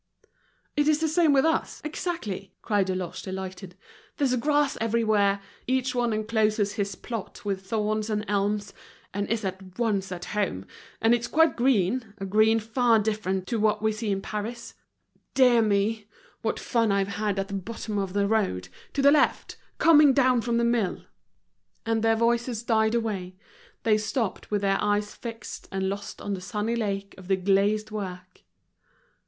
"It is the same with us, exactly!" cried Deloche, delighted. "There's grass everywhere, each one encloses his plot with thorns and elms, and is at once at home; and it's quite green, a green far different to what we see in Paris. Dear me! what fun I've had at the bottom of the road, to the left, coming down from the mill!" And their voices died away, they stopped with their eyes fixed and lost on the sunny lake of the glazed work.